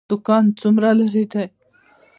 دکان څومره لرې دی؟